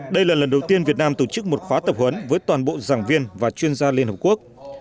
đây là lần đầu tiên việt nam tổ chức một khóa tập huấn với toàn bộ giảng viên và chuyên gia liên hợp quốc